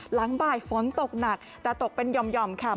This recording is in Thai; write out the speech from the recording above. หลังบ่ายฝนตกหนักแต่ตกเป็นห่อมค่ะ